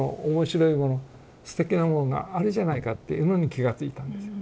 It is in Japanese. すてきなもんがあるじゃないかっていうのに気が付いたんですよ。